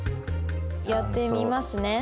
やってみますね。